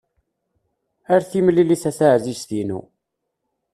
Ar timlilit a taεzizt-inu!